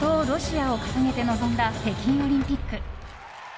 ロシアを掲げて臨んだ北京オリンピック。